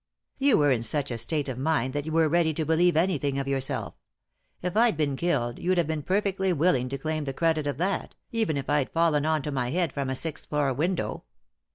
" You were in such a state of mind that you were ready to believe anything of yourself. If I'd been killed you'd have been perfectly willing to claim the credit of that, even if I'd fallen on to my head from a sixth floor window.